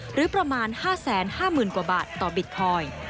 หรือประมาณ๕๕๐๐๐กว่าบาทต่อบิตคอยน์